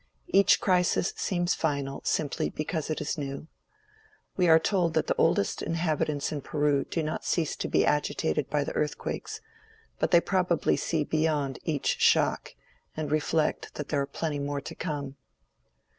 Each crisis seems final, simply because it is new. We are told that the oldest inhabitants in Peru do not cease to be agitated by the earthquakes, but they probably see beyond each shock, and reflect that there are plenty more to come.